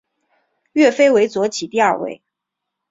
岳飞为左起第二位。